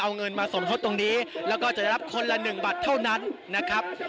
เอาเงินมาสมทบตรงนี้แล้วก็จะได้รับคนละ๑บาทเท่านั้นนะครับ